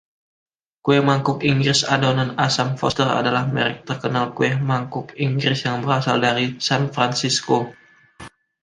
Kue mangkuk Inggris adonan asam Foster adalah merek terkenal kue mangkuk Inggris yang berasal dari San Francisco.